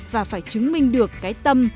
và phải chứng minh được cái tâm